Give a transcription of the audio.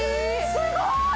すごい！